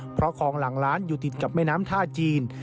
เพราะคลองหลังล้านอยู่ติดกับแม่น้ำท่าจีน